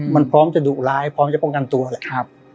มันพร้อมจะดุร้ายพร้อมจะป้องกันตัวแหละ